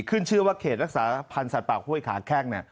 ขึ้นชื่อว่าเขตรักษาพันธ์สัตว์ห้วยขาแข้ง